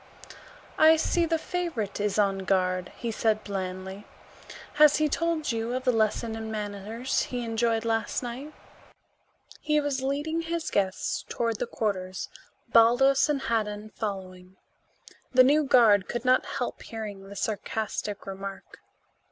"I see the favorite is on guard," he said blandly. "Has he told you of the lesson in manners he enjoyed last night?" He was leading his guests toward the quarters, Baldos and Haddan following. The new guard could not help hearing the sarcastic remark.